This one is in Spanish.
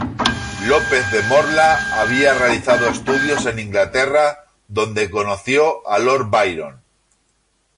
López de Morla había realizado estudios en Inglaterra, donde conoció a Lord Byron.